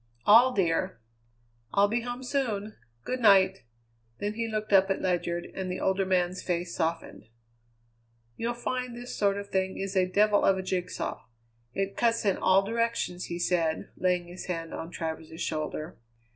"All, dear." "I'll be home soon. Good night." Then he looked up at Ledyard, and the older man's face softened. "You'll find this sort of thing is a devil of a jigsaw. It cuts in all directions," he said, laying his hand on Travers's shoulder.